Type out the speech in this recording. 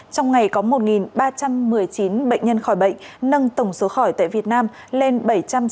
trong ngày có một ba trăm một mươi chín bệnh nhân khỏi bệnh nâng tổng số khỏi tại việt nam lên bảy trăm sáu mươi tám trăm linh một ca